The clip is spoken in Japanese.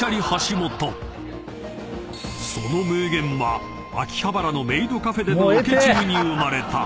［その名言は秋葉原のメイドカフェでのロケ中に生まれた］